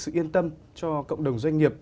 sự yên tâm cho cộng đồng doanh nghiệp